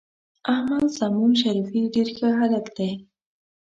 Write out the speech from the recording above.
احمد سمون شریفي ډېر ښه هلک دی.